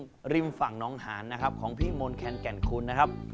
ริมฝั่งน้องหานนะครับของพี่มนต์แคนแก่นคุณนะครับ